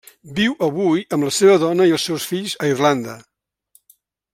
Viu, avui, amb la seva dona i els seus fills, a Irlanda.